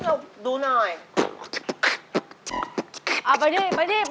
เป็นหวังเลยครับ